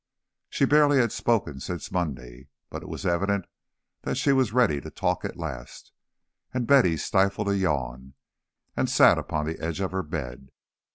She barely had spoken since Monday; but it was evident that she was ready to talk at last, and Betty stifled a yawn and sat upon the edge of her bed.